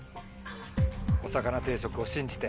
お魚定食を信じて。